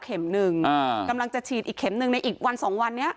หนึ่งกำลังจะฉีดอีกเข็มหนึ่งในอีกวันสองวันนี้